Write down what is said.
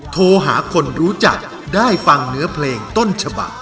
โทรหาคนรู้จักได้ฟังเนื้อเพลงต้นฉบัก